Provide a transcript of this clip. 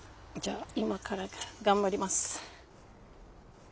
じゃあ今から頑張ります。